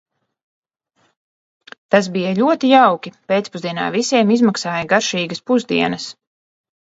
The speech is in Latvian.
Tas bija ļoti jauki, pēcpusdienā visiem izmaksāja garšīgas pusdienas.